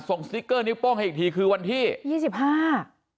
สติ๊กเกอร์นิ้วโป้งให้อีกทีคือวันที่ยี่สิบห้า